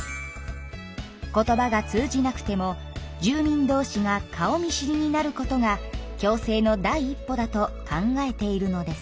言葉が通じなくても住民どうしが顔見知りになることが共生の第一歩だと考えているのです。